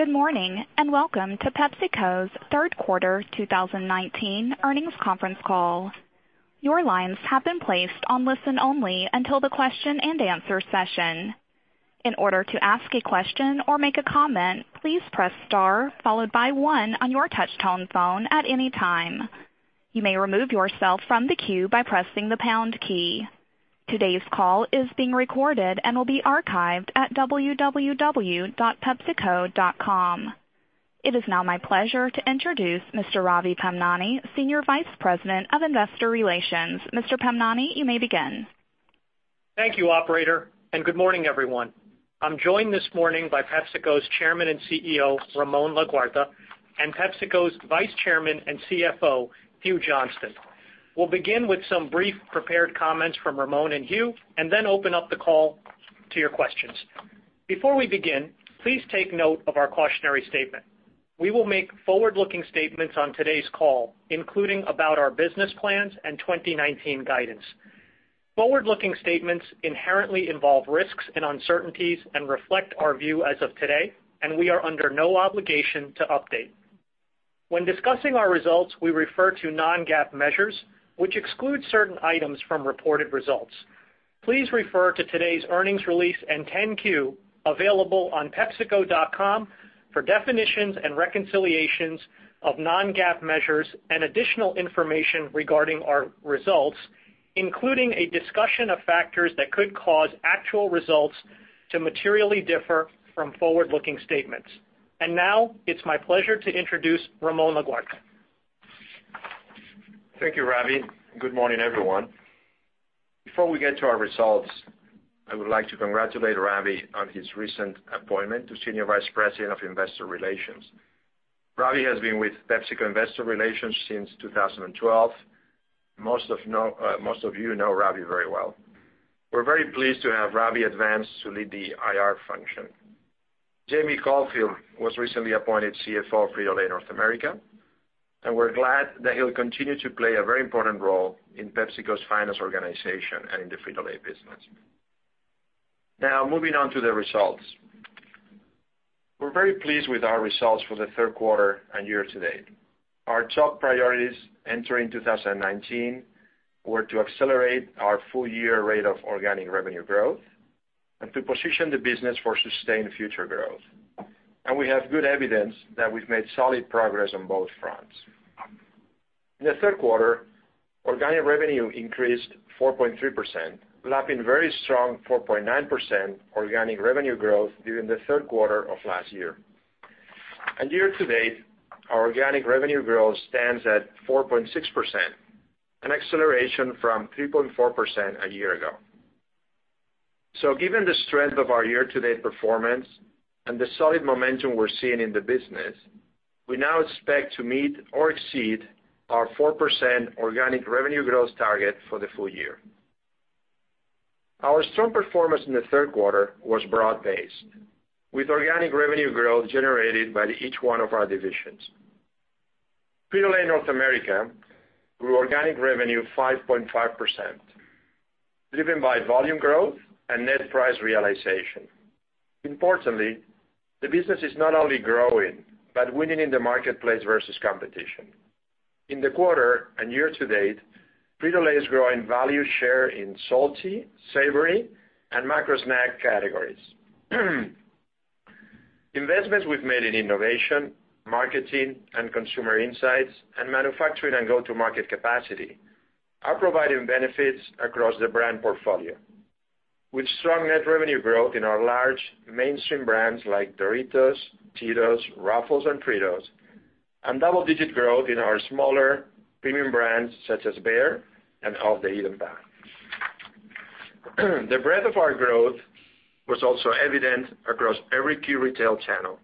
Good morning, and welcome to PepsiCo's third quarter 2019 earnings conference call. Your lines have been placed on listen-only until the question and answer session. In order to ask a question or make a comment, please press star followed by one on your touch-tone phone at any time. You may remove yourself from the queue by pressing the pound key. Today's call is being recorded and will be archived at www.pepsico.com. It is now my pleasure to introduce Mr. Ravi Pamnani, Senior Vice President of Investor Relations. Mr. Pamnani, you may begin. Thank you operator, and good morning, everyone. I'm joined this morning by PepsiCo's Chairman and CEO, Ramon Laguarta, and PepsiCo's Vice Chairman and CFO, Hugh Johnston. We'll begin with some brief prepared comments from Ramon and Hugh, and then open up the call to your questions. Before we begin, please take note of our cautionary statement. We will make forward-looking statements on today's call, including about our business plans and 2019 guidance. Forward-looking statements inherently involve risks and uncertainties and reflect our view as of today, and we are under no obligation to update. When discussing our results, we refer to non-GAAP measures, which exclude certain items from reported results. Please refer to today's earnings release and 10-Q available on pepsico.com for definitions and reconciliations of non-GAAP measures and additional information regarding our results, including a discussion of factors that could cause actual results to materially differ from forward-looking statements. Now it's my pleasure to introduce Ramon Laguarta. Thank you, Ravi. Good morning, everyone. Before we get to our results, I would like to congratulate Ravi on his recent appointment to Senior Vice President of Investor Relations. Ravi has been with PepsiCo Investor Relations since 2012. Most of you know Ravi very well. We're very pleased to have Ravi advance to lead the IR function. Jamie Caulfield was recently appointed CFO of Frito-Lay North America, and we're glad that he'll continue to play a very important role in PepsiCo's finance organization and in the Frito-Lay business. Moving on to the results. We're very pleased with our results for the third quarter and year to date. Our top priorities entering 2019 were to accelerate our full-year rate of organic revenue growth and to position the business for sustained future growth. We have good evidence that we've made solid progress on both fronts. In the third quarter, organic revenue increased 4.3%, lapping very strong 4.9% organic revenue growth during the third quarter of last year. Year to date, our organic revenue growth stands at 4.6%, an acceleration from 3.4% a year ago. Given the strength of our year-to-date performance and the solid momentum we're seeing in the business, we now expect to meet or exceed our 4% organic revenue growth target for the full year. Our strong performance in the third quarter was broad-based, with organic revenue growth generated by each one of our divisions. Frito-Lay North America grew organic revenue 5.5%, driven by volume growth and net price realization. Importantly, the business is not only growing, but winning in the marketplace versus competition. In the quarter and year to date, Frito-Lay is growing value share in salty, savory, and macro snack categories. Investments we've made in innovation, marketing, consumer insights, and manufacturing and go-to-market capacity are providing benefits across the brand portfolio, with strong net revenue growth in our large mainstream brands like Doritos, Cheetos, Ruffles, and Fritos, and double-digit growth in our smaller premium brands such as Bare and Off the Eaten Path. The breadth of our growth was also evident across every key retail channel,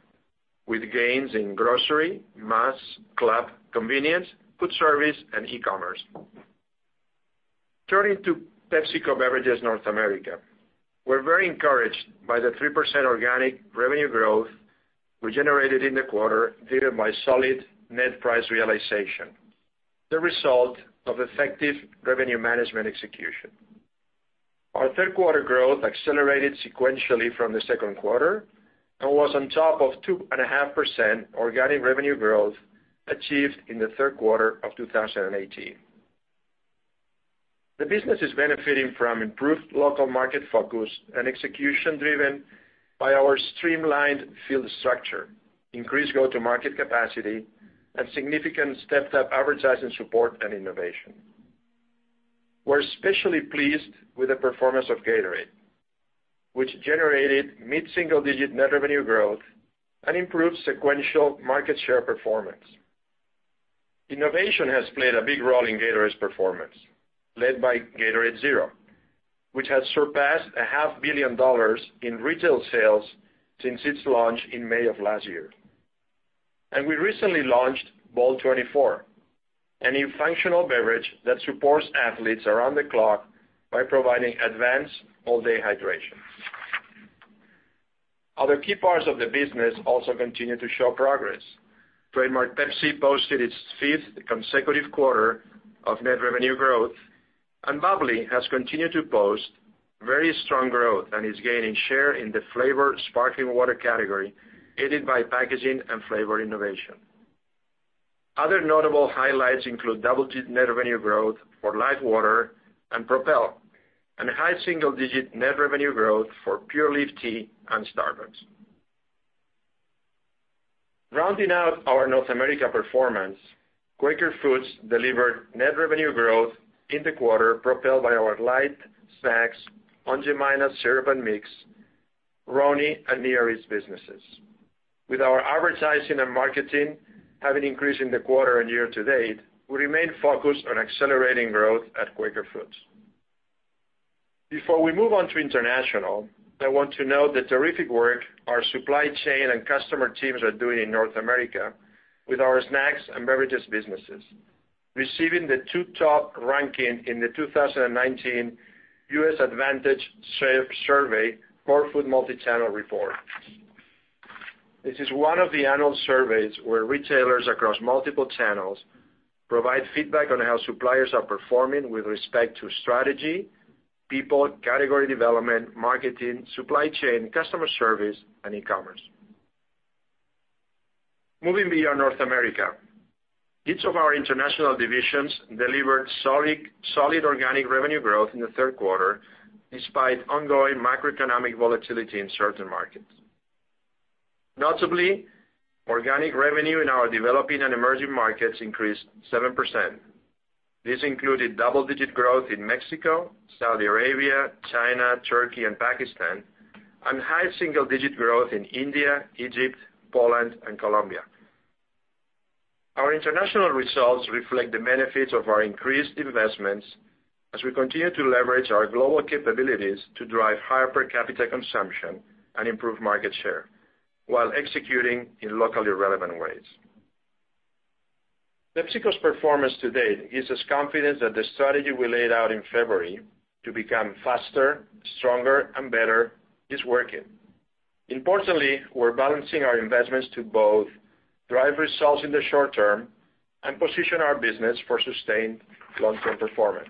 with gains in grocery, mass, club, convenience, food service, and e-commerce. Turning to PepsiCo Beverages North America. We're very encouraged by the 3% organic revenue growth we generated in the quarter, driven by solid net price realization, the result of effective revenue management execution. Our third quarter growth accelerated sequentially from the second quarter and was on top of 2.5% organic revenue growth achieved in the third quarter of 2018. The business is benefiting from improved local market focus and execution driven by our streamlined field structure, increased go-to-market capacity, and significant stepped-up advertising support and innovation. We're especially pleased with the performance of Gatorade, which generated mid-single-digit net revenue growth and improved sequential market share performance. Innovation has played a big role in Gatorade's performance, led by Gatorade Zero, which has surpassed a half billion dollars in retail sales since its launch in May of last year. We recently launched BOLT24, a new functional beverage that supports athletes around the clock by providing advanced all-day hydration. Other key parts of the business also continue to show progress. Trademark Pepsi posted its fifth consecutive quarter of net revenue growth, and bubly has continued to post very strong growth and is gaining share in the flavored sparkling water category, aided by packaging and flavor innovation. Other notable highlights include double-digit net revenue growth for LIFEWTR and Propel, and high single-digit net revenue growth for Pure Leaf Tea and Starbucks. Rounding out our North America performance, Quaker Foods delivered net revenue growth in the quarter propelled by our light snacks, Aunt Jemima's syrup and mix, Rice-A-Roni, and Near East businesses. With our advertising and marketing having increased in the quarter and year to date, we remain focused on accelerating growth at Quaker Foods. Before we move on to international, I want to note the terrific work our supply chain and customer teams are doing in North America with our snacks and beverages businesses, receiving the two top ranking in the 2019 U.S. Advantage survey core food multichannel report. This is one of the annual surveys where retailers across multiple channels provide feedback on how suppliers are performing with respect to strategy, people, category development, marketing, supply chain, customer service, and e-commerce. Moving beyond North America, each of our international divisions delivered solid organic revenue growth in the third quarter, despite ongoing macroeconomic volatility in certain markets. Notably, organic revenue in our developing and emerging markets increased 7%. This included double-digit growth in Mexico, Saudi Arabia, China, Turkey, and Pakistan, and high single-digit growth in India, Egypt, Poland, and Colombia. Our international results reflect the benefits of our increased investments as we continue to leverage our global capabilities to drive higher per capita consumption and improve market share while executing in locally relevant ways. PepsiCo's performance to date gives us confidence that the strategy we laid out in February to become Faster, Stronger, and Better is working. Importantly, we're balancing our investments to both drive results in the short term and position our business for sustained long-term performance.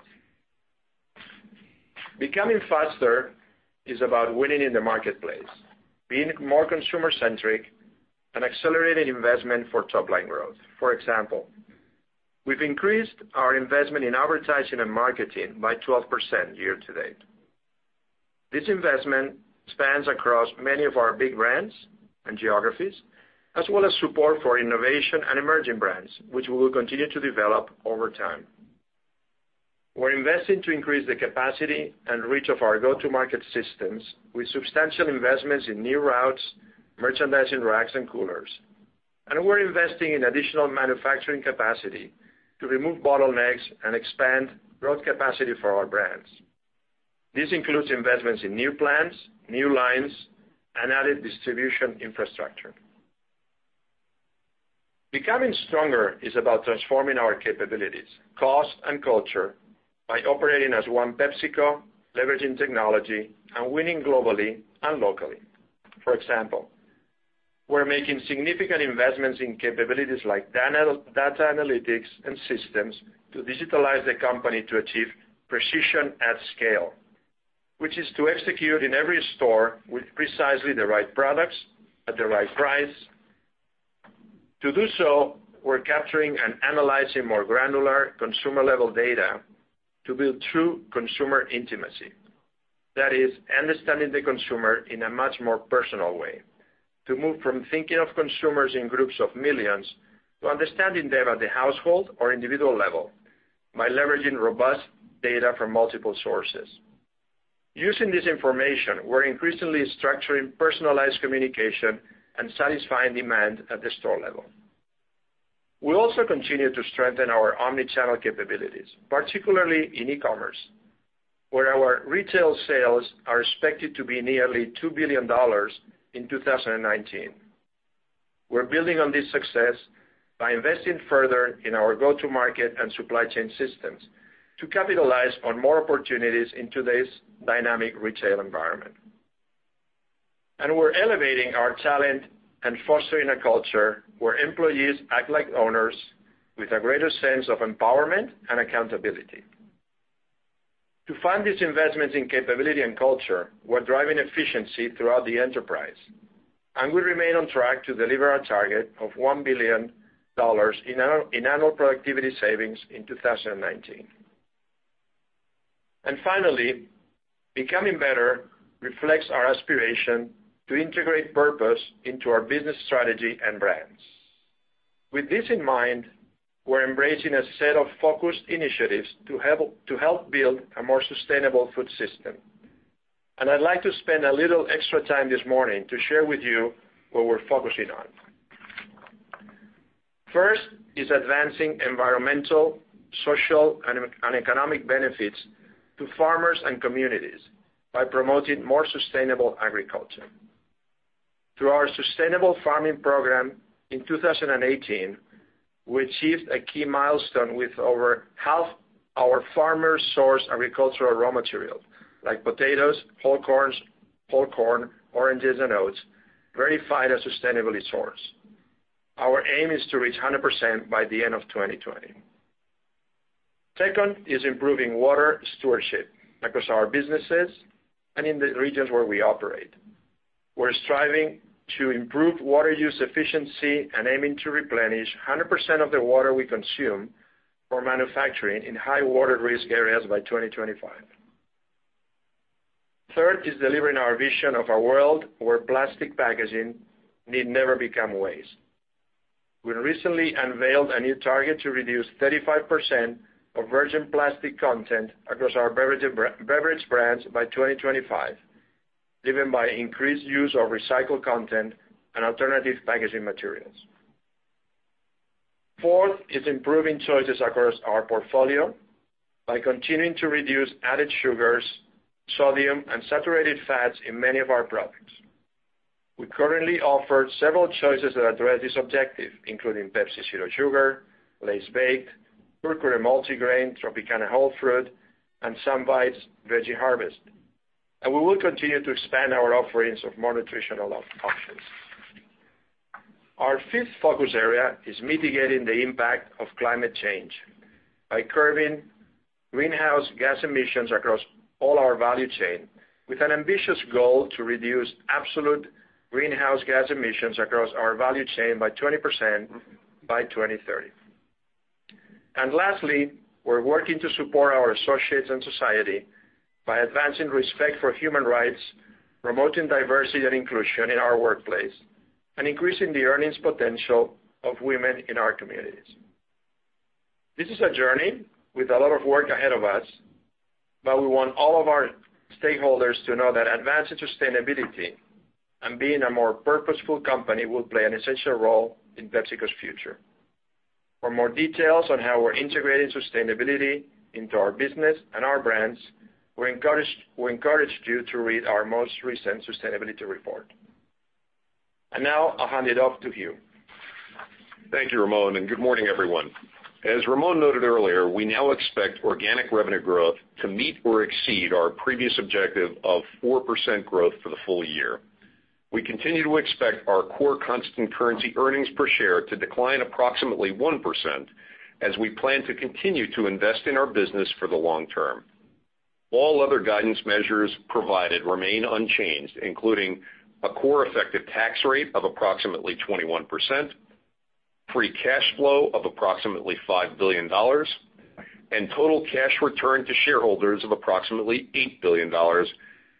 Becoming faster is about winning in the marketplace, being more consumer-centric, and accelerating investment for top-line growth. For example, we've increased our investment in advertising and marketing by 12% year to date. This investment spans across many of our big brands and geographies, as well as support for innovation and emerging brands, which we will continue to develop over time. We're investing to increase the capacity and reach of our go-to-market systems with substantial investments in new routes, merchandising racks, and coolers. We're investing in additional manufacturing capacity to remove bottlenecks and expand growth capacity for our brands. This includes investments in new plants, new lines, and added distribution infrastructure. Becoming stronger is about transforming our capabilities, cost, and culture by operating as one PepsiCo, leveraging technology, and winning globally and locally. For example, we're making significant investments in capabilities like data analytics and systems to digitalize the company to achieve precision at scale, which is to execute in every store with precisely the right products at the right price. To do so, we're capturing and analyzing more granular consumer-level data to build true consumer intimacy. That is, understanding the consumer in a much more personal way. To move from thinking of consumers in groups of millions to understanding them at the household or individual level by leveraging robust data from multiple sources. Using this information, we're increasingly structuring personalized communication and satisfying demand at the store level. We also continue to strengthen our omni-channel capabilities, particularly in e-commerce, where our retail sales are expected to be nearly $2 billion in 2019. We're building on this success by investing further in our go-to-market and supply chain systems to capitalize on more opportunities in today's dynamic retail environment. We're elevating our talent and fostering a culture where employees act like owners with a greater sense of empowerment and accountability. To fund these investments in capability and culture, we're driving efficiency throughout the enterprise, and we remain on track to deliver our target of $1 billion in annual productivity savings in 2019. Finally, becoming better reflects our aspiration to integrate purpose into our business strategy and brands. With this in mind, we're embracing a set of focused initiatives to help build a more sustainable food system. I'd like to spend a little extra time this morning to share with you what we're focusing on. First is advancing environmental, social, and economic benefits to farmers and communities by promoting more sustainable agriculture. Through our sustainable farming program in 2018, we achieved a key milestone with over half our farmers' source agricultural raw materials, like potatoes, whole corn, oranges, and oats, verified as sustainably sourced. Our aim is to reach 100% by the end of 2020. Second is improving water stewardship across our businesses and in the regions where we operate. We're striving to improve water use efficiency and aiming to replenish 100% of the water we consume for manufacturing in high-water risk areas by 2025. Third is delivering our vision of a world where plastic packaging need never become waste. We recently unveiled a new target to reduce 35% of virgin plastic content across our beverage brands by 2025, driven by increased use of recycled content and alternative packaging materials. Fourth is improving choices across our portfolio by continuing to reduce added sugars, sodium, and saturated fats in many of our products. We currently offer several choices that address this objective, including Pepsi Zero Sugar, Lay's Baked, Quaker Multigrain, Tropicana Whole Fruit, and Sunbites Veggie Harvest. We will continue to expand our offerings of more nutritional options. Our fifth focus area is mitigating the impact of climate change by curbing greenhouse gas emissions across all our value chain with an ambitious goal to reduce absolute greenhouse gas emissions across our value chain by 20% by 2030. Lastly, we're working to support our associates and society by advancing respect for human rights, promoting diversity and inclusion in our workplace, and increasing the earnings potential of women in our communities. This is a journey with a lot of work ahead of us, but we want all of our stakeholders to know that advancing sustainability and being a more purposeful company will play an essential role in PepsiCo's future. For more details on how we're integrating sustainability into our business and our brands, we encourage you to read our most recent sustainability report. Now I'll hand it off to Hugh. Thank you, Ramon, and good morning, everyone. As Ramon noted earlier, we now expect organic revenue growth to meet or exceed our previous objective of 4% growth for the full year. We continue to expect our core constant currency earnings per share to decline approximately 1% as we plan to continue to invest in our business for the long term. All other guidance measures provided remain unchanged, including a core effective tax rate of approximately 21%, free cash flow of approximately $5 billion, and total cash return to shareholders of approximately $8 billion,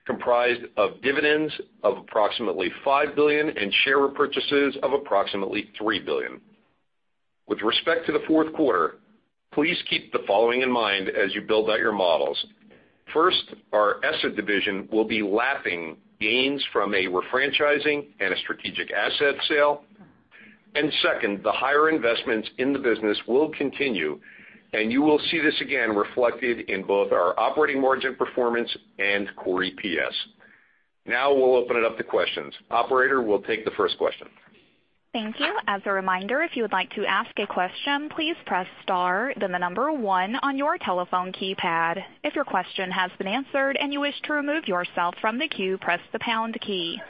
comprised of dividends of approximately $5 billion and share repurchases of approximately $3 billion. With respect to the fourth quarter, please keep the following in mind as you build out your models. First, our ESSA division will be lapping gains from a refranchising and a strategic asset sale. Second, the higher investments in the business will continue, and you will see this again reflected in both our operating margin performance and core EPS. We'll open it up to questions. Operator, we'll take the first question. Thank you. As a reminder, if you would like to ask a question, please press star, then the number 1 on your telephone keypad. If your question has been answered and you wish to remove yourself from the queue, press the pound key.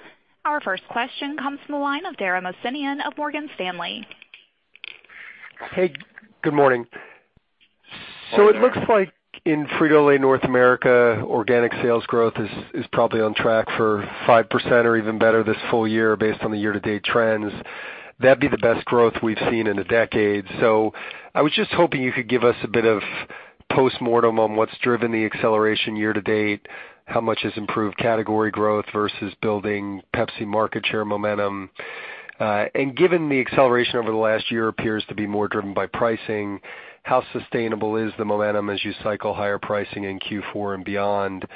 Our first question comes from the line of Dara Mohsenian of Morgan Stanley. Hey, good morning. Good morning, Dara. It looks like in Frito-Lay North America, organic sales growth is probably on track for 5% or even better this full year based on the year-to-date trends. That'd be the best growth we've seen in a decade. I was just hoping you could give us a bit of postmortem on what's driven the acceleration year to date, how much has improved category growth versus building Pepsi market share momentum. Given the acceleration over the last year appears to be more driven by pricing, how sustainable is the momentum as you cycle higher pricing in Q4 and beyond?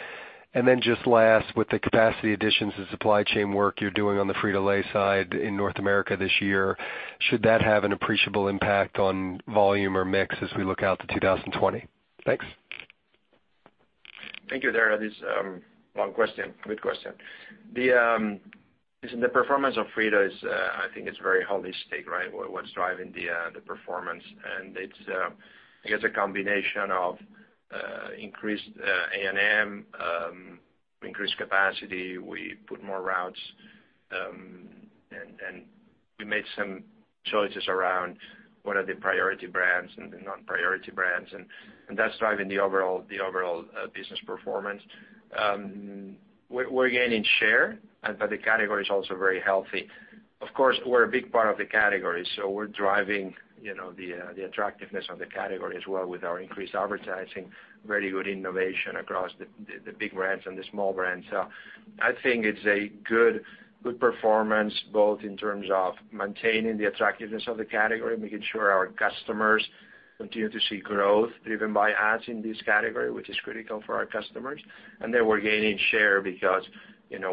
Just last, with the capacity additions and supply chain work you're doing on the Frito-Lay side in North America this year, should that have an appreciable impact on volume or mix as we look out to 2020? Thanks. Thank you, Dara. This long question, good question. The performance of Frito, I think it's very holistic, right? What's driving the performance? It's, I guess, a combination of increased A&M, increased capacity. We put more routes, and we made some choices around what are the priority brands and the non-priority brands, and that's driving the overall business performance. We're gaining share, but the category is also very healthy. Of course, we're a big part of the category, so we're driving the attractiveness of the category as well with our increased advertising, very good innovation across the big brands and the small brands. I think it's a good performance, both in terms of maintaining the attractiveness of the category, making sure our customers continue to see growth driven by us in this category, which is critical for our customers. We're gaining share because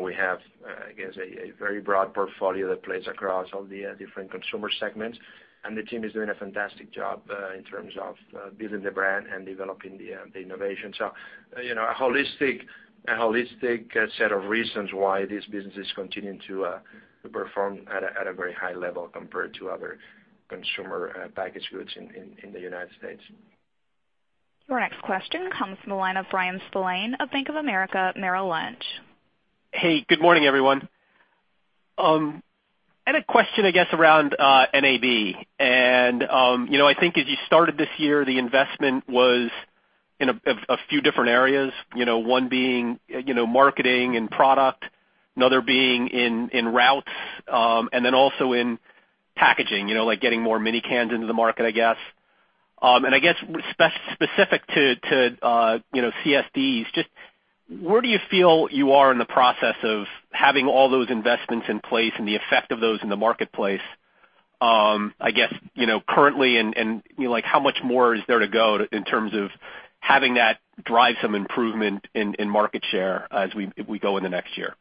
we have, I guess, a very broad portfolio that plays across all the different consumer segments, and the team is doing a fantastic job in terms of building the brand and developing the innovation. A holistic set of reasons why this business is continuing to perform at a very high level compared to other consumer packaged goods in the U.S. Your next question comes from the line of Bryan Spillane of Bank of America Merrill Lynch. Hey, good morning, everyone. I had a question, I guess, around NAB. I think as you started this year, the investment was in a few different areas. One being marketing and product, another being in routes, and then also in packaging, like getting more mini cans into the market, I guess. I guess, specific to CSDs, just where do you feel you are in the process of having all those investments in place and the effect of those in the marketplace, I guess, currently, and how much more is there to go in terms of having that drive some improvement in market share as we go in the next year?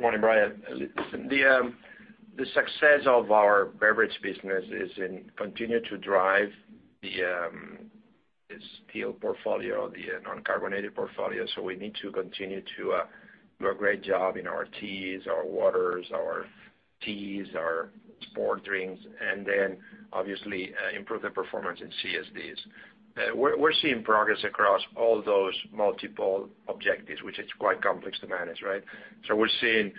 Morning, Bryan. The success of our beverage business is in continue to drive the still portfolio, the non-carbonated portfolio. We need to continue to do a great job in our teas, our waters, our sports drinks, and then obviously improve the performance in CSDs. We're seeing progress across all those multiple objectives, which is quite complex to manage, right? We're seeing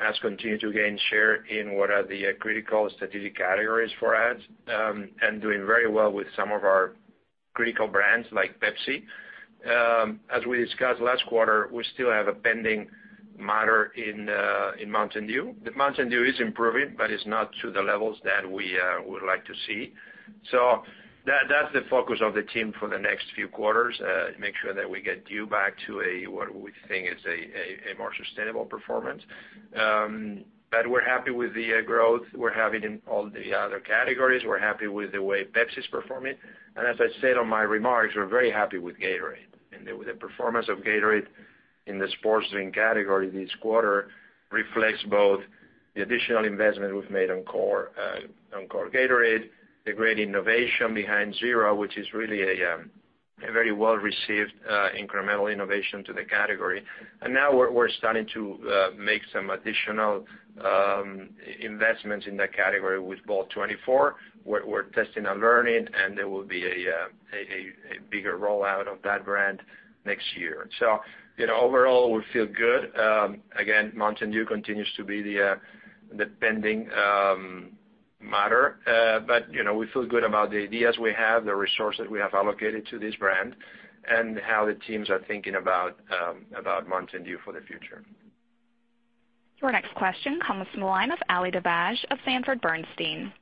NAB continue to gain share in what are the critical strategic categories for NAB, and doing very well with some of our critical brands like Pepsi. As we discussed last quarter, we still have a pending matter in Mountain Dew. Mountain Dew is improving, it's not to the levels that we would like to see. That's the focus of the team for the next few quarters, make sure that we get Dew back to a, what we think is a more sustainable performance. We're happy with the growth we're having in all the other categories. We're happy with the way Pepsi is performing. As I said on my remarks, we're very happy with Gatorade. With the performance of Gatorade in the sports drink category this quarter reflects both the additional investment we've made on core Gatorade, the great innovation behind Zero, which is really a very well-received incremental innovation to the category. Now we're starting to make some additional investments in that category with BOLT24. We're testing and learning, and there will be a bigger rollout of that brand next year. Overall, we feel good. Again, Mountain Dew continues to be the pending matter. We feel good about the ideas we have, the resources we have allocated to this brand, and how the teams are thinking about Mountain Dew for the future. Your next question comes from the line of Ali Dibadj of Sanford Bernstein.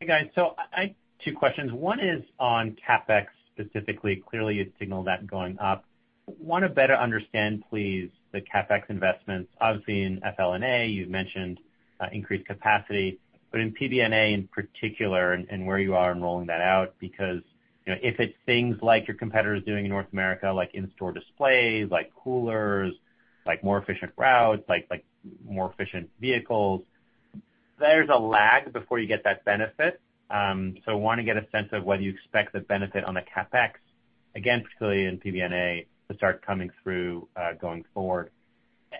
Hey, guys. I have two questions. One is on CapEx specifically. Clearly, you signaled that going up. Want to better understand, please, the CapEx investments, obviously in FLNA, you've mentioned increased capacity, but in PBNA in particular and where you are in rolling that out, because, if it's things like your competitor is doing in North America, like in-store displays, like coolers, like more efficient routes, like more efficient vehicles, there's a lag before you get that benefit. Want to get a sense of whether you expect the benefit on the CapEx, again, particularly in PBNA, to start coming through going forward.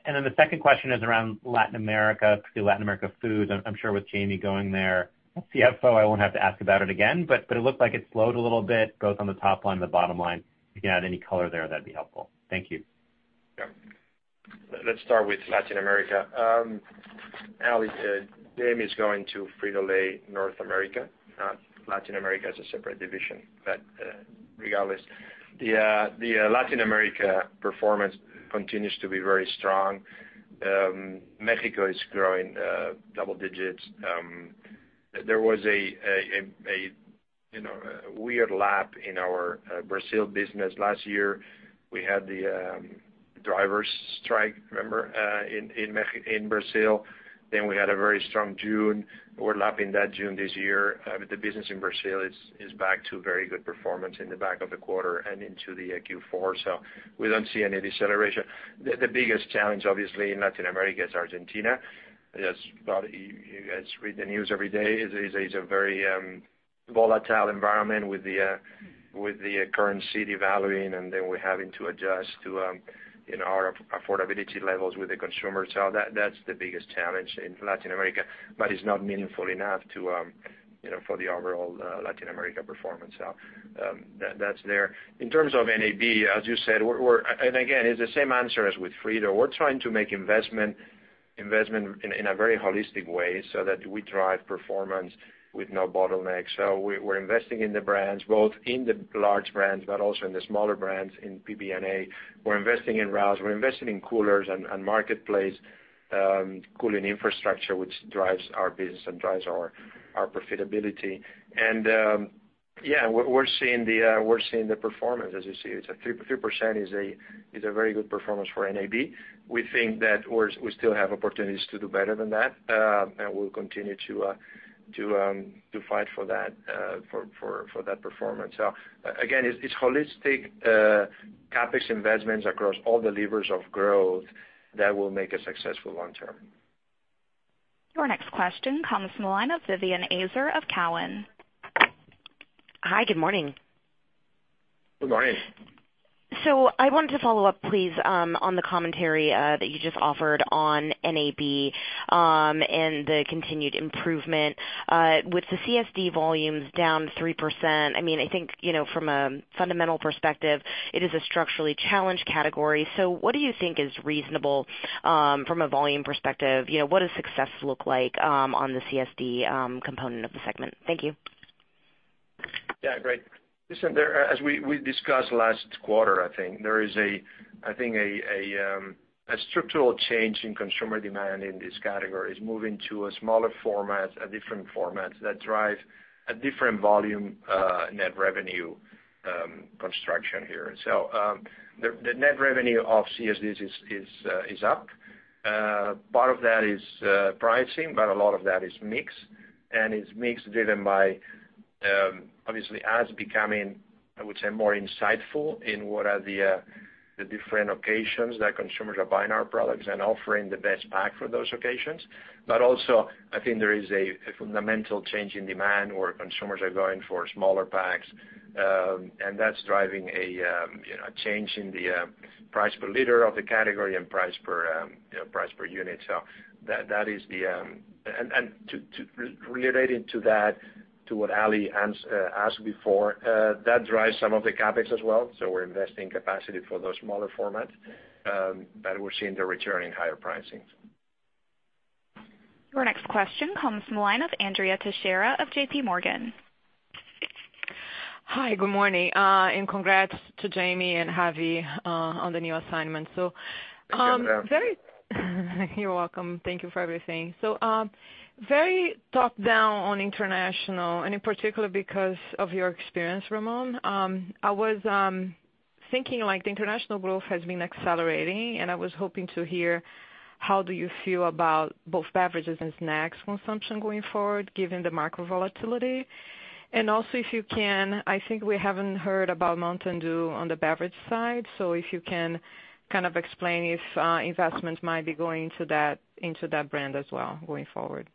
The second question is around Latin America, particularly Latin America Foods. I'm sure with Jamie going there, as CFO, I won't have to ask about it again, but it looked like it slowed a little bit both on the top line and the bottom line. If you can add any color there, that'd be helpful. Thank you. Yeah. Let's start with Latin America. Ali, Jamie's going to Frito-Lay North America, not Latin America, it's a separate division. Regardless, the Latin America performance continues to be very strong. Mexico is growing double digits. There was a weird lap in our Brazil business last year. We had the drivers strike, remember, in Brazil. We had a very strong June. We're lapping that June this year, the business in Brazil is back to very good performance in the back of the quarter and into the Q4. We don't see any deceleration. The biggest challenge, obviously, in Latin America is Argentina. As you guys read the news every day, it's a very volatile environment with the currency devaluing and then we're having to adjust to our affordability levels with the consumer. That's the biggest challenge in Latin America. It's not meaningful enough for the overall Latin America performance. That's there. In terms of NAB, as you said, and again, it's the same answer as with Frito. We're trying to make investment in a very holistic way so that we drive performance with no bottlenecks. We're investing in the brands, both in the large brands, but also in the smaller brands in PBNA. We're investing in routes, we're investing in coolers and marketplace cooling infrastructure, which drives our business and drives our profitability. Yeah, we're seeing the performance, as you see. 3% is a very good performance for NAB. We think that we still have opportunities to do better than that, and we'll continue to fight for that performance. Again, it's holistic CapEx investments across all the levers of growth that will make us successful long term. Your next question comes from the line of Vivien Azer of Cowen. Hi, good morning. Good morning. I wanted to follow up, please, on the commentary that you just offered on NAB and the continued improvement. With the CSD volumes down 3%, I think, from a fundamental perspective, it is a structurally challenged category. What do you think is reasonable from a volume perspective? What does success look like on the CSD component of the segment? Thank you. Yeah, great. Listen, as we discussed last quarter, I think, there is a structural change in consumer demand in this category. It's moving to a smaller format, a different format that drives a different volume net revenue construction here. The net revenue of CSD is up. Part of that is pricing, but a lot of that is mix, and it's mix driven by, obviously, us becoming, I would say, more insightful in what are the different occasions that consumers are buying our products and offering the best pack for those occasions. Also, I think there is a fundamental change in demand where consumers are going for smaller packs, and that's driving a change in the price per liter of the category and price per unit. Related to that, to what Ali asked before, that drives some of the CapEx as well. We're investing capacity for those smaller formats, but we're seeing the return in higher pricings. Your next question comes from the line of Andrea Teixeira of J.P. Morgan. Hi, good morning, and congrats to Jamie and Ravi on the new assignment. Thank you, Andrea. You're welcome. Thank you for everything. Very top-down on international, and in particular because of your experience, Ramon. I was thinking the international growth has been accelerating, and I was hoping to hear how do you feel about both beverages and snacks consumption going forward, given the macro volatility. If you can, I think we haven't heard about Mountain Dew on the beverage side, so if you can explain if investments might be going into that brand as well going forward.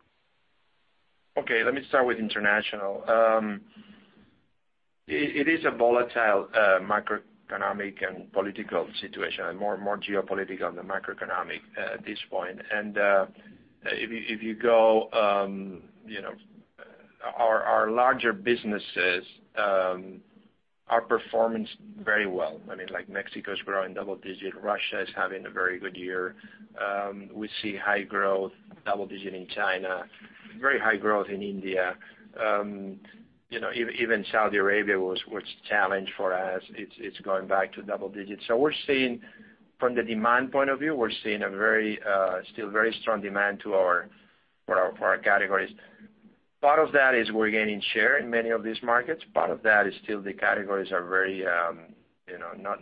Okay, let me start with international. It is a volatile macroeconomic and political situation, and more geopolitical than macroeconomic at this point. If you go, our larger businesses are performing very well. Mexico's growing double digits. Russia is having a very good year. We see high growth, double digit in China. Very high growth in India. Even Saudi Arabia, which challenged for us, it's going back to double digits. From the demand point of view, we're seeing a still very strong demand for our categories. Part of that is we're gaining share in many of these markets. Part of that is still the categories are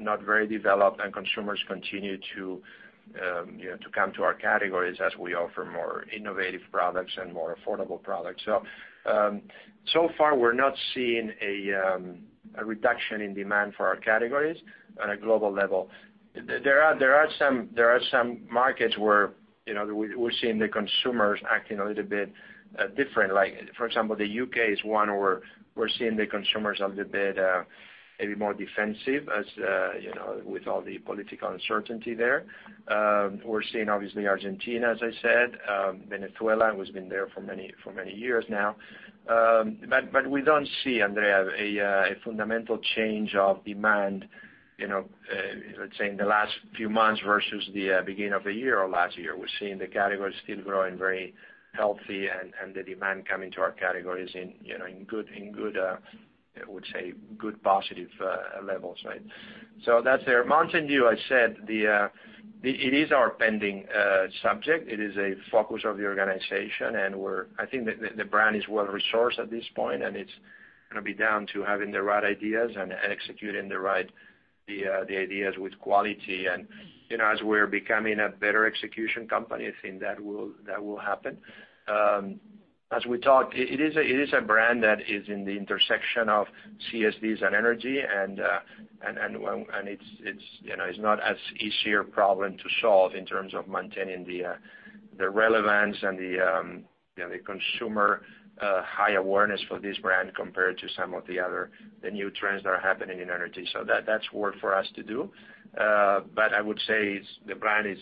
not very developed, and consumers continue to come to our categories as we offer more innovative products and more affordable products. So far, we're not seeing a reduction in demand for our categories on a global level. There are some markets where we're seeing the consumers acting a little bit different. For example, the U.K. is one where we're seeing the consumers a little bit, maybe more defensive with all the political uncertainty there. We're seeing, obviously, Argentina, as I said, Venezuela, who's been there for many years now. We don't see, Andrea, a fundamental change of demand, let's say, in the last few months versus the beginning of the year or last year. We're seeing the categories still growing very healthy and the demand coming to our categories in good, I would say, good, positive levels. That's there. Mountain Dew, I said, it is our pending subject. It is a focus of the organization, and I think the brand is well-resourced at this point, and it's going to be down to having the right ideas and executing the ideas with quality. As we're becoming a better execution company, I think that will happen. As we talked, it is a brand that is in the intersection of CSDs and energy, and it's not as easy a problem to solve in terms of maintaining the relevance and the consumer high awareness for this brand compared to some of the other new trends that are happening in energy. That's work for us to do. I would say the brand is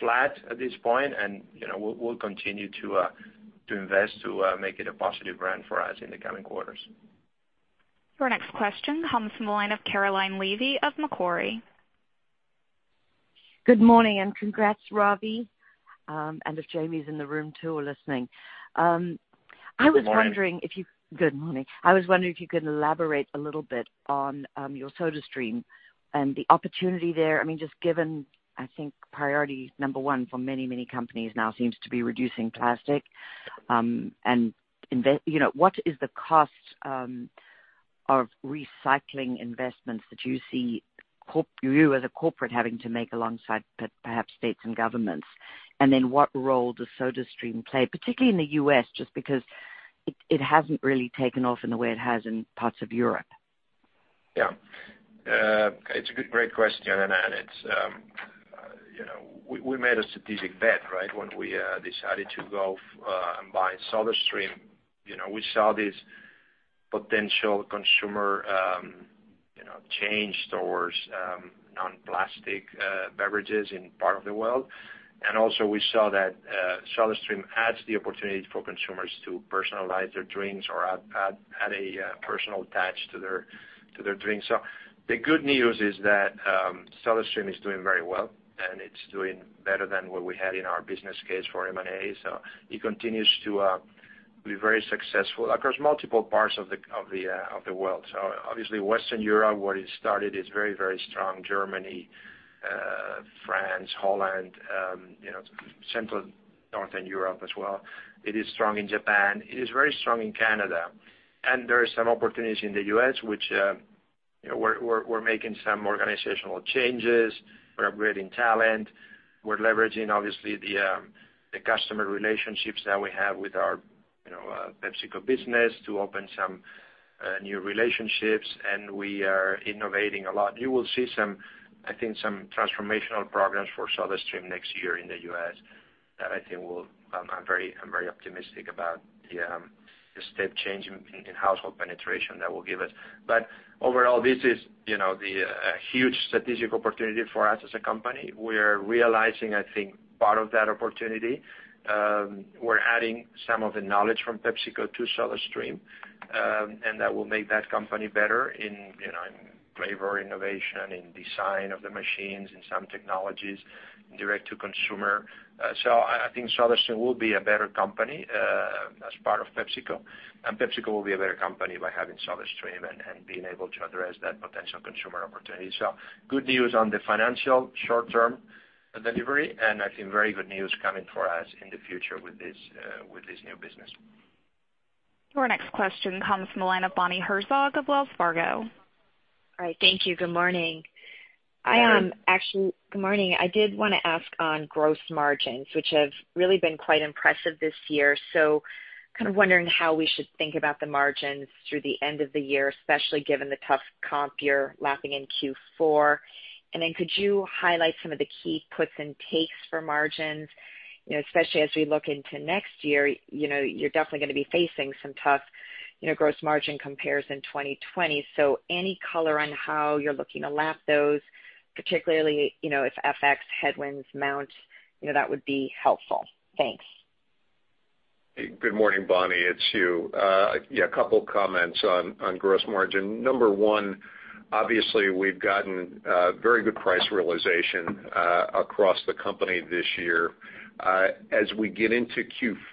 flat at this point, and we'll continue to invest to make it a positive brand for us in the coming quarters. Your next question comes from the line of Caroline Levy of Macquarie. Good morning and congrats, Ravi. If Jamie's in the room too or listening. Good morning. Good morning. I was wondering if you could elaborate a little bit on your SodaStream and the opportunity there. Just given, I think, priority number one for many companies now seems to be reducing plastic. What is the cost of recycling investments that you see you as a corporate having to make alongside perhaps states and governments? What role does SodaStream play, particularly in the U.S., just because it hasn't really taken off in the way it has in parts of Europe? Yeah. It's a great question, Caroline. We made a strategic bet, right? When we decided to go and buy SodaStream. We saw this potential consumer change towards non-plastic beverages in part of the world. Also we saw that SodaStream adds the opportunity for consumers to personalize their drinks or add a personal touch to their drinks. The good news is that SodaStream is doing very well, and it's doing better than what we had in our business case for M&A. It continues to be very successful across multiple parts of the world. Obviously Western Europe, where it started, is very strong. Germany, France, Holland, Central, Northern Europe as well. It is strong in Japan. It is very strong in Canada. There are some opportunities in the U.S., which we're making some organizational changes. We're upgrading talent. We're leveraging, obviously, the customer relationships that we have with our PepsiCo business to open some new relationships, and we are innovating a lot. You will see, I think, some transformational programs for SodaStream next year in the U.S. that I'm very optimistic about the step change in household penetration that will give us. Overall, this is a huge strategic opportunity for us as a company. We're realizing, I think, part of that opportunity. We're adding some of the knowledge from PepsiCo to SodaStream, and that will make that company better in flavor innovation, in design of the machines, in some technologies, in direct to consumer. I think SodaStream will be a better company as part of PepsiCo, and PepsiCo will be a better company by having SodaStream and being able to address that potential consumer opportunity. Good news on the financial short-term delivery, and I think very good news coming for us in the future with this new business. Your next question comes from the line of Bonnie Herzog of Wells Fargo. Hi, thank you. Good morning. Good morning. I did want to ask on gross margins, which have really been quite impressive this year. Kind of wondering how we should think about the margins through the end of the year, especially given the tough comp you're lapping in Q4. Could you highlight some of the key puts and takes for margins, especially as we look into next year, you're definitely going to be facing some tough gross margin compares in 2020. Any color on how you're looking to lap those, particularly, if FX headwinds mount, that would be helpful. Thanks. Good morning, Bonnie. It's Hugh. A couple of comments on gross margin. Number one, obviously, we've gotten very good price realization across the company this year. We get into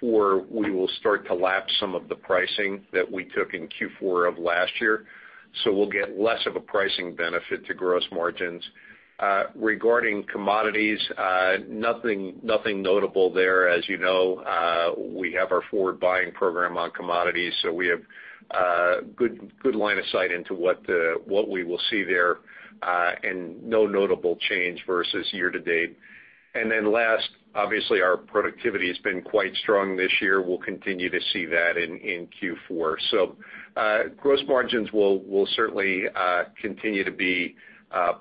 Q4, we will start to lap some of the pricing that we took in Q4 of last year. We'll get less of a pricing benefit to gross margins. Regarding commodities, nothing notable there. You know, we have our forward buying program on commodities, we have good line of sight into what we will see there, and no notable change versus year to date. Last, obviously, our productivity has been quite strong this year. We'll continue to see that in Q4. Gross margins will certainly continue to be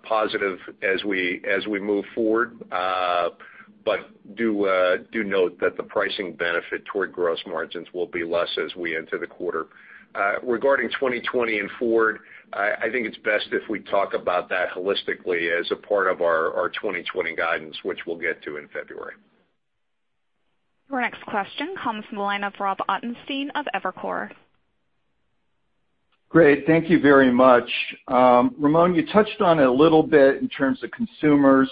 positive as we move forward. Do note that the pricing benefit toward gross margins will be less as we enter the quarter. Regarding 2020 and forward, I think it's best if we talk about that holistically as a part of our 2020 guidance, which we'll get to in February. Your next question comes from the line of Robert Ottenstein of Evercore. Great. Thank you very much. Ramon, you touched on it a little bit in terms of consumers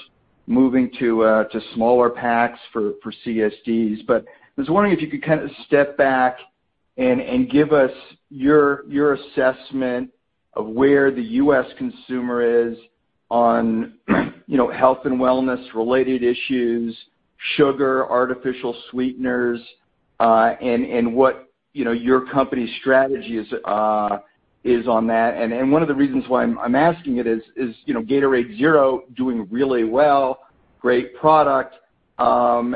moving to smaller packs for CSDs, but I was wondering if you could kind of step back and give us your assessment of where the U.S. consumer is on health and wellness related issues, sugar, artificial sweeteners, and what your company's strategy is on that. One of the reasons why I'm asking it is Gatorade Zero doing really well, great product. You come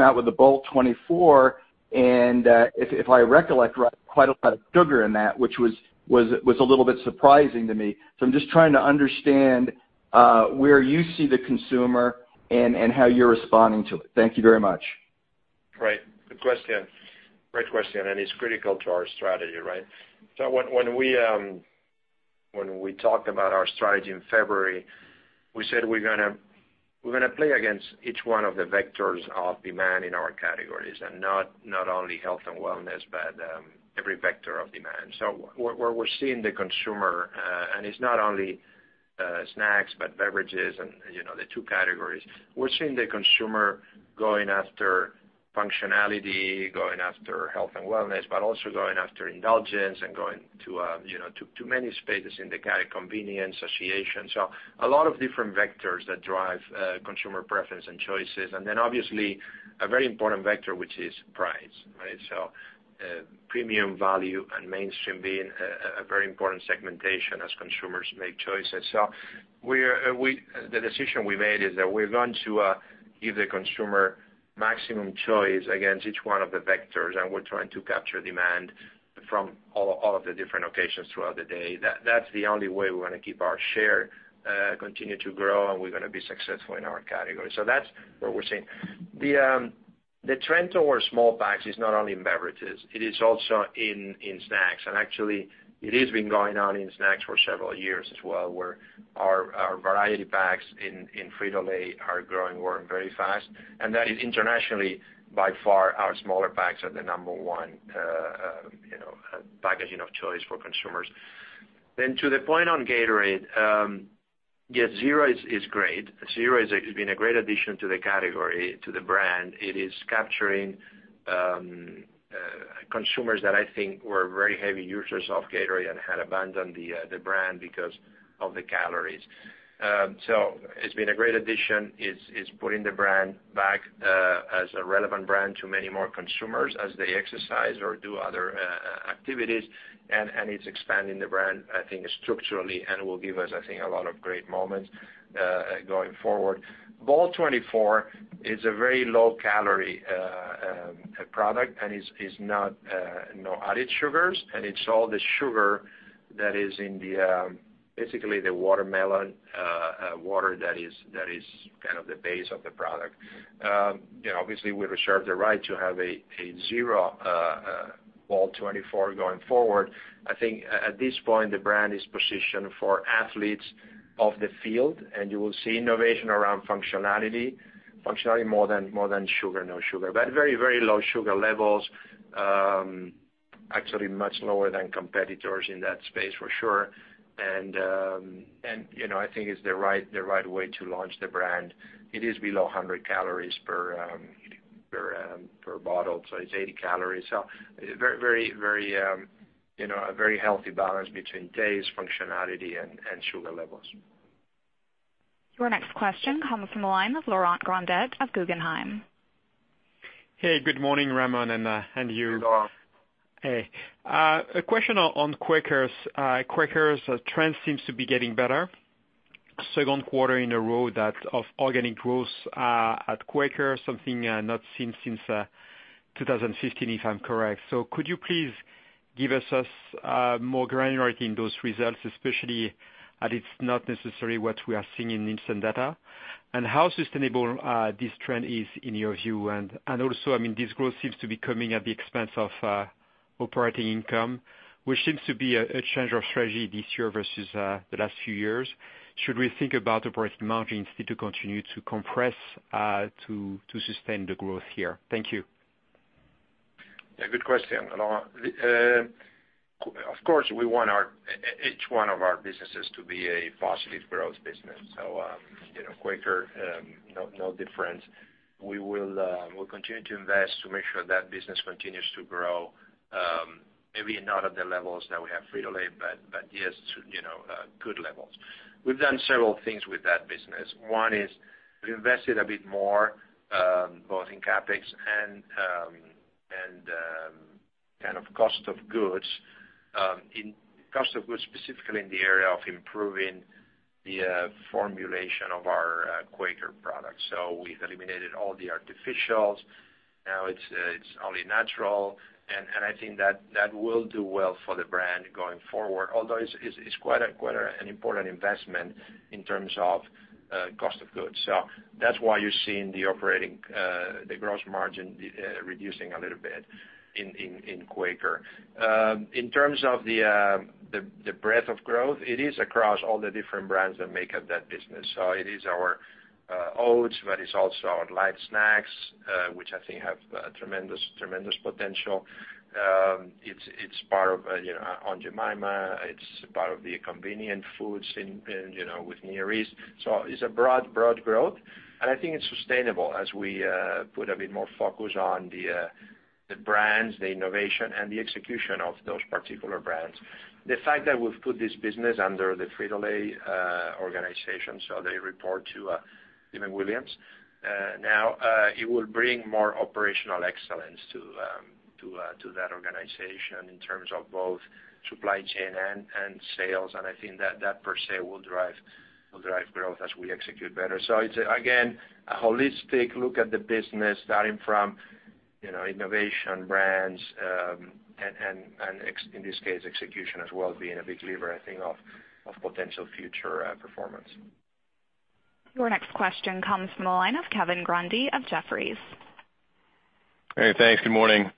out with the BOLT24, and if I recollect right, quite a lot of sugar in that, which was a little bit surprising to me. I'm just trying to understand where you see the consumer and how you're responding to it. Thank you very much. Right. Good question. Great question, and it's critical to our strategy, right? When we talked about our strategy in February, we said we're going to play against each one of the vectors of demand in our categories, not only health and wellness, but every vector of demand. Where we're seeing the consumer, and it's not only snacks, but beverages and the two categories, we're seeing the consumer going after functionality, going after health and wellness, but also going after indulgence and going to many spaces in the convenience association. A lot of different vectors that drive consumer preference and choices. Obviously a very important vector, which is price, right? Premium value and mainstream being a very important segmentation as consumers make choices. The decision we made is that we're going to give the consumer maximum choice against each one of the vectors, and we're trying to capture demand from all of the different occasions throughout the day. That's the only way we're going to keep our share, continue to grow, and we're going to be successful in our category. That's what we're seeing. The trend towards small packs is not only in beverages, it is also in snacks. Actually, it has been going on in snacks for several years as well, where our variety packs in Frito-Lay are growing very fast. That is internationally, by far, our smaller packs are the number one packaging of choice for consumers. To the point on Gatorade. Yes, Zero is great. Zero has been a great addition to the category, to the brand. It is capturing consumers that I think were very heavy users of Gatorade and had abandoned the brand because of the calories. It's been a great addition. It's putting the brand back as a relevant brand to many more consumers as they exercise or do other activities. It's expanding the brand, I think, structurally, and will give us, I think, a lot of great moments going forward. BOLT24 is a very low-calorie product and is no added sugars, and it's all the sugar that is in, basically, the watermelon water that is the base of the product. Obviously, we reserve the right to have a zero BOLT24 going forward. I think at this point, the brand is positioned for athletes of the field, and you will see innovation around functionality more than sugar, no sugar. Very low sugar levels, actually much lower than competitors in that space, for sure. I think it's the right way to launch the brand. It is below 100 calories per bottle. It's 80 calories. A very healthy balance between taste, functionality, and sugar levels. Your next question comes from the line of Laurent Grandet of Guggenheim. Hey, good morning, Ramon and Hugh. Hey, Laurent. Hey. A question on Quaker's trend seems to be getting better. Second quarter in a row of organic growth at Quaker, something not seen since 2015, if I'm correct. Could you please give us more granularity in those results, especially as it's not necessarily what we are seeing in instant data? How sustainable this trend is in your view? Also, this growth seems to be coming at the expense of operating income, which seems to be a change of strategy this year versus the last few years. Should we think about operating margins need to continue to compress to sustain the growth here? Thank you. Yeah, good question, Laurent. Of course, we want each one of our businesses to be a positive growth business. Quaker, no different. We'll continue to invest to make sure that business continues to grow. Maybe not at the levels that we have Frito-Lay, but yes, good levels. We've done several things with that business. One is we've invested a bit more, both in CapEx and cost of goods. In cost of goods, specifically in the area of improving the formulation of our Quaker products. We've eliminated all the artificials. Now it's only natural, and I think that will do well for the brand going forward. Although it's quite an important investment in terms of cost of goods. That's why you're seeing the gross margin reducing a little bit in Quaker. In terms of the breadth of growth, it is across all the different brands that make up that business. It is our Quaker, but it's also our light snacks, which I think have tremendous potential. It's part of Aunt Jemima. It's part of the convenient foods with Near East. It's a broad growth, and I think it's sustainable as we put a bit more focus on the brands, the innovation, and the execution of those particular brands. The fact that we've put this business under the Frito-Lay organization, so they report to Steven Williams now, it will bring more operational excellence to that organization in terms of both supply chain and sales. I think that per se will drive growth as we execute better. It's, again, a holistic look at the business, starting from innovation, brands, and in this case, execution as well, being a big lever, I think, of potential future performance. Your next question comes from the line of Kevin Grundy of Jefferies. Hey, thanks. Good morning.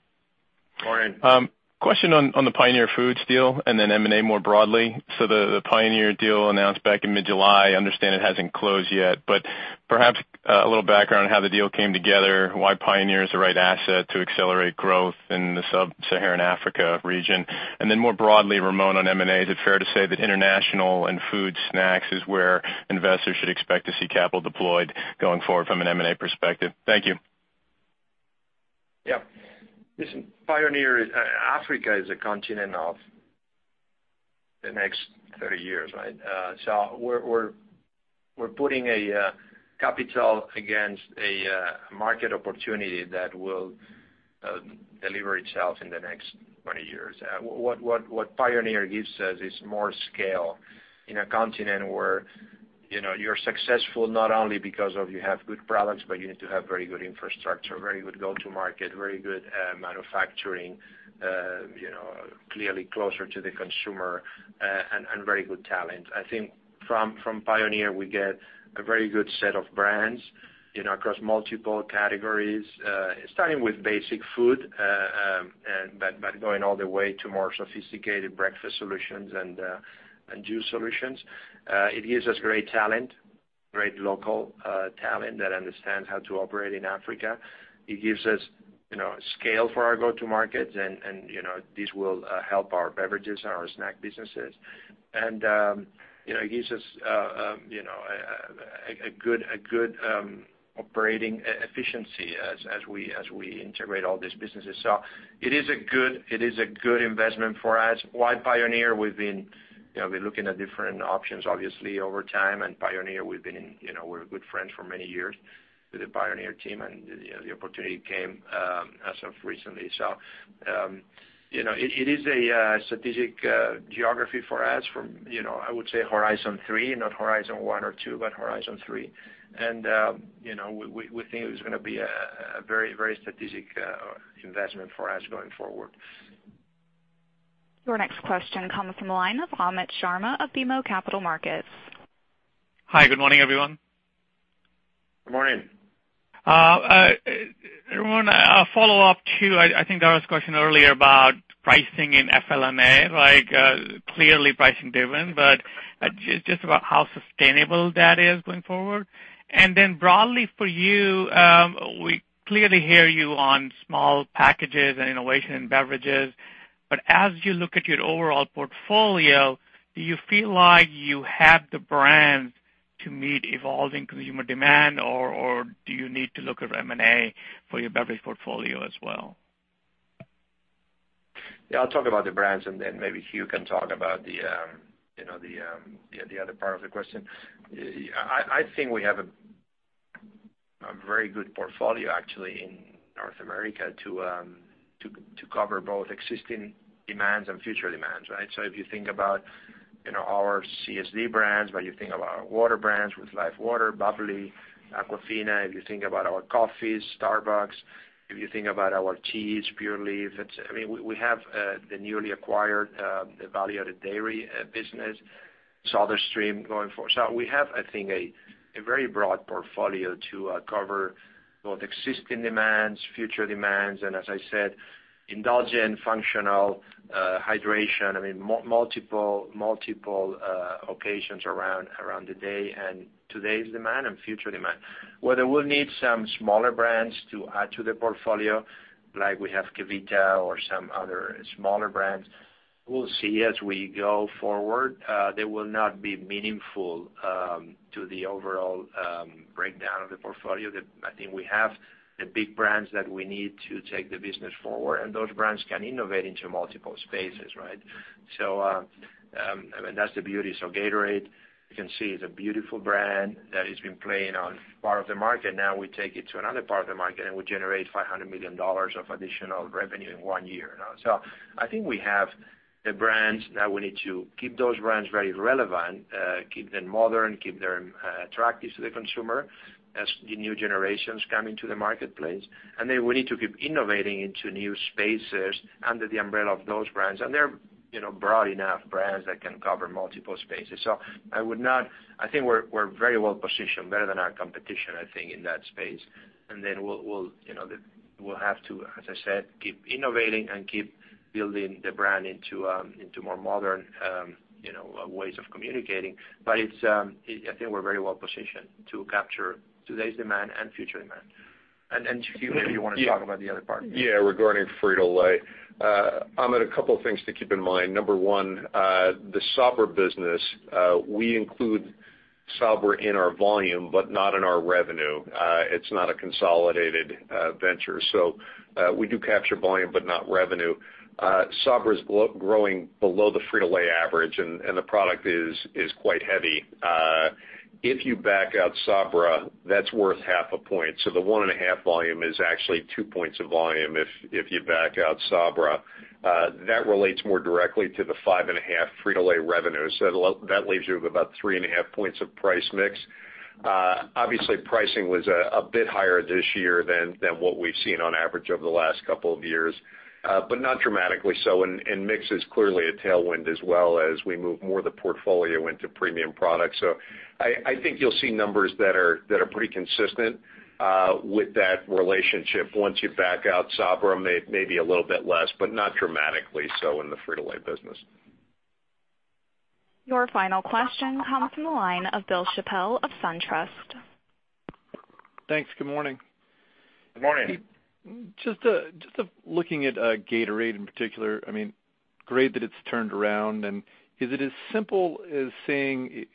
Morning. Question on the Pioneer Foods deal and then M&A more broadly. The Pioneer deal announced back in mid-July. I understand it hasn't closed yet, perhaps a little background on how the deal came together, why Pioneer is the right asset to accelerate growth in the Sub-Saharan Africa region. More broadly, Ramon, on M&A, is it fair to say that international and food snacks is where investors should expect to see capital deployed going forward from an M&A perspective? Thank you. Yeah. Listen, Pioneer, Africa is a continent of the next 30 years, right? We're putting capital against a market opportunity that will deliver itself in the next 20 years. What Pioneer gives us is more scale in a continent where you're successful not only because you have good products, but you need to have very good infrastructure, very good go-to-market, very good manufacturing, clearly closer to the consumer, and very good talent. I think from Pioneer, we get a very good set of brands across multiple categories, starting with basic food, but going all the way to more sophisticated breakfast solutions and juice solutions. It gives us great talent, great local talent that understands how to operate in Africa. It gives us scale for our go-to-markets, and this will help our beverages and our snack businesses. It gives us a good operating efficiency as we integrate all these businesses. It is a good investment for us. Why Pioneer? We've been looking at different options, obviously, over time. Pioneer, we're good friends for many years with the Pioneer team, and the opportunity came as of recently. It is a strategic geography for us from, I would say, horizon three, not horizon one or two, but horizon three. We think it is going to be a very strategic investment for us going forward. Your next question comes from the line of Amit Sharma of BMO Capital Markets. Hi. Good morning, everyone. Good morning. I want to follow up, too. I think there was a question earlier about pricing in FLNA. Clearly pricing driven, but just about how sustainable that is going forward. Broadly for you, we clearly hear you on small packages and innovation in beverages, but as you look at your overall portfolio, do you feel like you have the brands to meet evolving consumer demand, or do you need to look at M&A for your beverage portfolio as well? Yeah, I'll talk about the brands and then maybe Hugh can talk about the other part of the question. I think we have a very good portfolio, actually, in North America to cover both existing demands and future demands, right? If you think about our CSD brands, when you think about our water brands with LIFEWTR, bubly, Aquafina, if you think about our coffees, Starbucks, if you think about our teas, Pure Leaf. We have the newly acquired, the value-added dairy business, another stream going forward. We have, I think, a very broad portfolio to cover both existing demands, future demands, and as I said, indulgent functional hydration, multiple occasions around the day and today's demand and future demand. Whether we'll need some smaller brands to add to the portfolio, like we have KeVita or some other smaller brands, we'll see as we go forward. They will not be meaningful to the overall breakdown of the portfolio. I think we have the big brands that we need to take the business forward, and those brands can innovate into multiple spaces, right? That's the beauty. Gatorade, you can see it's a beautiful brand that has been playing on part of the market. Now we take it to another part of the market, and we generate $500 million of additional revenue in one year. I think we have the brands. Now we need to keep those brands very relevant, keep them modern, keep them attractive to the consumer as the new generations come into the marketplace. We need to keep innovating into new spaces under the umbrella of those brands. They're broad enough brands that can cover multiple spaces. I think we're very well-positioned, better than our competition, I think, in that space. Then we'll have to, as I said, keep innovating and keep building the brand into more modern ways of communicating. I think we're very well-positioned to capture today's demand and future demand. Hugh, maybe you want to talk about the other part. Yeah, regarding Frito-Lay. Amit, a couple of things to keep in mind. Number one, the Sabra business, we include Sabra in our volume, but not in our revenue. It's not a consolidated venture. We do capture volume, but not revenue. Sabra is growing below the Frito-Lay average, and the product is quite heavy. If you back out Sabra, that's worth half a point. The one and a half volume is actually two points of volume if you back out Sabra. That relates more directly to the five and a half Frito-Lay revenue. That leaves you with about three and a half points of price mix. Obviously, pricing was a bit higher this year than what we've seen on average over the last couple of years, but not dramatically so. Mix is clearly a tailwind as well as we move more of the portfolio into premium products. I think you'll see numbers that are pretty consistent with that relationship once you back out Sabra, maybe a little bit less, but not dramatically so in the Frito-Lay business. Your final question comes from the line of Bill Chappell of SunTrust. Thanks. Good morning. Good morning. Just looking at Gatorade in particular, great that it's turned around, is it as simple as saying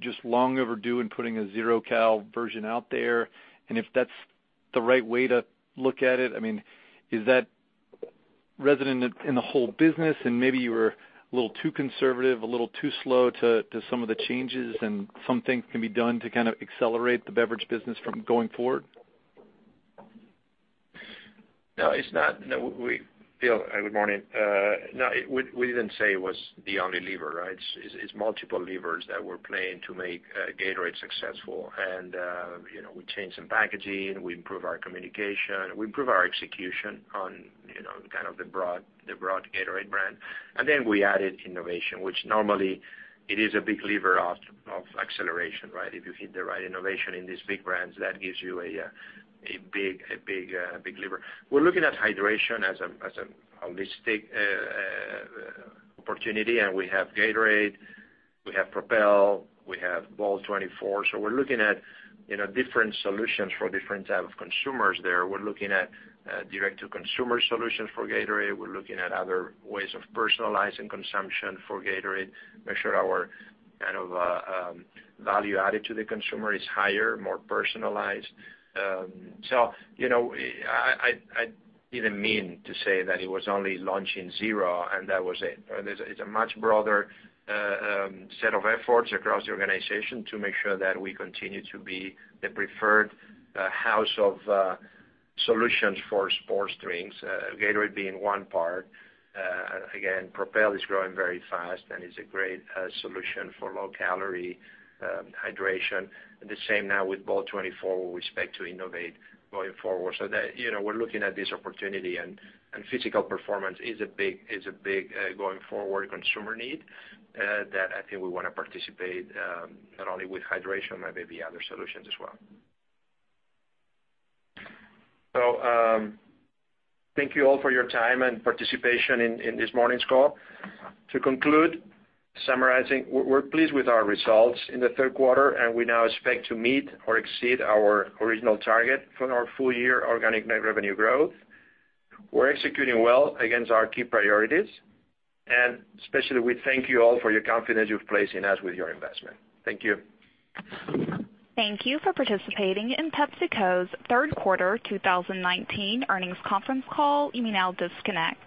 just long overdue in putting a zero-cal version out there? If that's the right way to look at it, is that resident in the whole business and maybe you were a little too conservative, a little too slow to some of the changes and some things can be done to kind of accelerate the beverage business from going forward? It's not. Bill, good morning. We didn't say it was the only lever, right? It's multiple levers that we're playing to make Gatorade successful. We changed some packaging, we improved our communication, we improved our execution on kind of the broad Gatorade brand. We added innovation, which normally it is a big lever of acceleration, right? If you hit the right innovation in these big brands, that gives you a big lever. We're looking at hydration as a holistic opportunity, we have Gatorade, we have Propel, we have BOLT24. We're looking at different solutions for different types of consumers there. We're looking at direct-to-consumer solutions for Gatorade. We're looking at other ways of personalizing consumption for Gatorade, make sure our kind of value added to the consumer is higher, more personalized. I didn't mean to say that it was only launching Zero, and that was it. It's a much broader set of efforts across the organization to make sure that we continue to be the preferred house of solutions for sports drinks, Gatorade being one part. Propel is growing very fast and is a great solution for low-calorie hydration. The same now with BOLT24, where we expect to innovate going forward. We're looking at this opportunity, and physical performance is a big going-forward consumer need that I think we want to participate not only with hydration, but maybe other solutions as well. Thank you all for your time and participation in this morning's call. To conclude, summarizing, we're pleased with our results in the third quarter, and we now expect to meet or exceed our original target for our full-year organic net revenue growth. We're executing well against our key priorities, and especially, we thank you all for your confidence you've placed in us with your investment. Thank you. Thank you for participating in PepsiCo's third quarter 2019 earnings conference call. You may now disconnect.